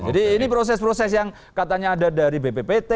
jadi ini proses proses yang katanya ada dari bppt